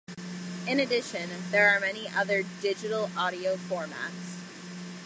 In addition, there are many other digital audio formats.